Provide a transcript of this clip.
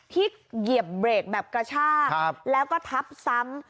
เหยียบเบรกแบบกระชากแล้วก็ทับซ้ำ